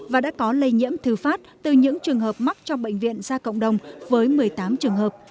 và đã có lây nhiễm thử phát từ những trường hợp mắc trong bệnh viện ra cộng đồng với một mươi tám trường hợp